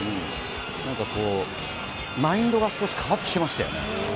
なんかマインドが少し変わってきましたよね。